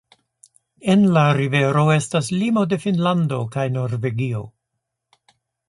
En la rivero estas limo de Finnlando kaj Norvegio.